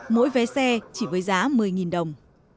mỗi vé xe chỉ với giá một mươi đồng